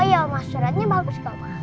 oh iya omah suratnya bagus kak omah